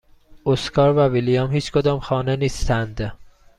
اسکار و ویلیام هیچکدام خانه نیستند.